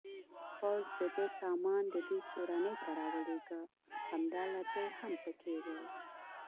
پوځ د ده سامان د دوی کورنۍ ته راولېږه، همدا لرګی هم پکې و.